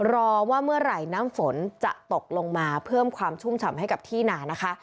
รอว่าเมื่อไหร่น้ำฝนจะตกลงมาเพิ่มความชุ่มฉ่ำให้กับที่หนานะคะ